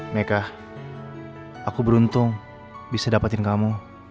mereka aku beruntung bisa dapetin kamu